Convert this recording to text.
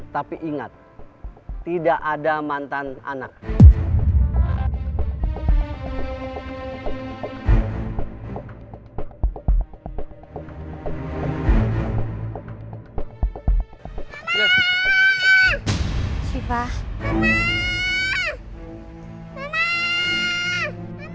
tapi ingat tidak ada yang bisa mengantarkan siva ke sekolah